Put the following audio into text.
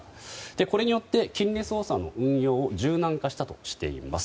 これによって金利操作の運用を柔軟化したとしています。